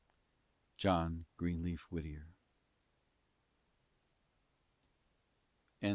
JOHN GREENLEAF WHITTIER.